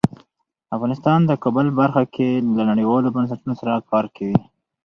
افغانستان د کابل په برخه کې له نړیوالو بنسټونو سره کار کوي.